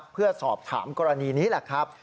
เพื่อสอบถามกรณีนี้แหละครับ